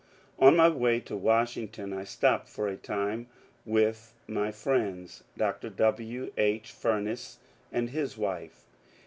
^^ On my way to Washington I stopped for a time withnny friends Dr. W. H. Fumess and his wife.